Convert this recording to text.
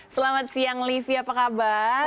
selamat siang livi apa kabar